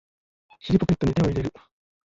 尻ポケットに手を入れる